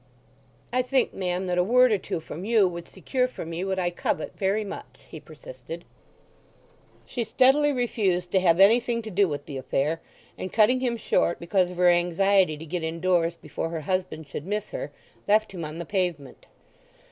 "I think, ma'am, that a word or two from you would secure for me what I covet very much," he persisted. She steadily refused to have anything to do with the affair, and cutting him short, because of her anxiety to get indoors before her husband should miss her, left him on the pavement.